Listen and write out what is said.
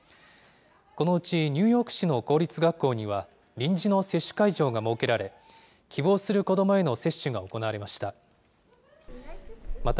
このうちニューヨーク市の公立学校には、臨時の接種会場が設けられ、希望する子どもへの接種が行われました。